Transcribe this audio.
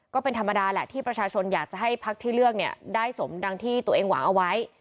ก็เป็นธรรมดาแหละที่ประชาชนอยากจะให้พักที่เลือกเนี่ยได้สมดังที่ตัวเองหวังเอาไว้